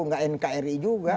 tidak nkri juga